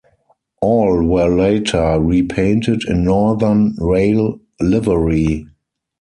All were later repainted in Northern Rail livery.